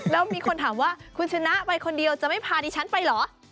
แล้วมีคนถามว่าคุณชนะไปคนเดียวจะไม่พาดิฉันไปเหรอ